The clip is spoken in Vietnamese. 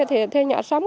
thì thuê nhà sống